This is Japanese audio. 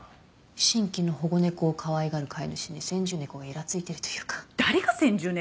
新規の保護猫をかわいがる飼い主に先住猫がイラついてるというか誰が先住猫？